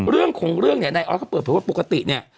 เรื่องของเรื่องเนี่ยนายออสเขาเปิดเผยว่าปกติเนี่ย